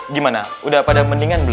gimana udah pada mendingan belum